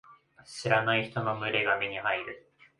知らない人の群れが目に入る。